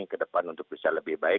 ke depan untuk bisa lebih baik